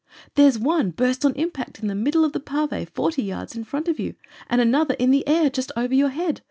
There's one burst on impact in the middle of the pave forty yards in front of you, and another in the air just over your head.